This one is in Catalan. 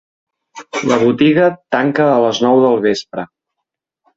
La botiga tanca a les nou del vespre.